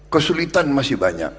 kesulitan masih banyak